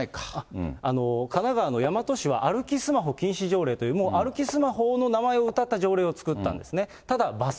神奈川の大和市は歩きスマホ禁止条例という、もう歩きスマホの名前をうたった条例を作ったんですね。